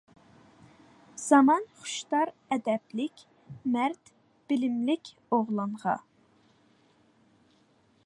زامان خۇشتار ئەدەپلىك، مەرد، بىلىملىك ئوغلانغا.